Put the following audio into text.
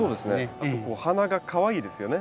あとお花がかわいいですよね。